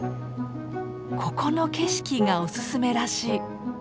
ここの景色がおすすめらしい。